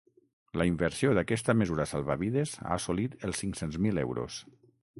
La inversió d’aquesta mesura salvavides ha assolit els cinc-cents mil euros.